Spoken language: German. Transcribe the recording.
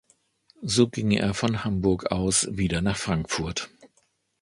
So ging er von Hamburg aus wieder nach Frankfurt.